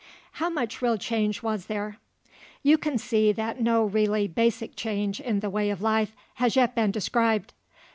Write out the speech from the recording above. HOW MUCH REAL CHANGE WAS THERE? You can see that no really basic change in the way of life has yet been described.